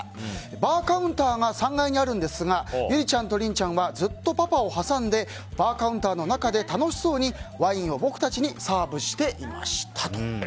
バーカウンターが３階にあるんですが由里ちゃんと臨ちゃんはずっとパパを挟んでバーカウンターの中で楽しそうにワインを僕たちにサーブしていましたと。